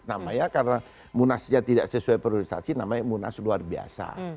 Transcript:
namanya karena munasnya tidak sesuai priorisasi namanya munas luar biasa